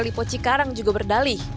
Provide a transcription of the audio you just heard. pt lipoci karang juga berdalih